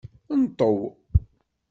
Nṭew!